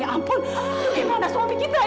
ya ampun itu gimana suami kita ya